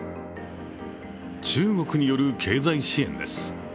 中国による経済支援です。